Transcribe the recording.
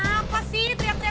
eh aku lihat sendiri tante messi